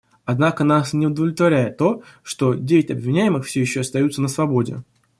Однако нас не удовлетворяет то, что девять обвиняемых все еще остаются на свободе.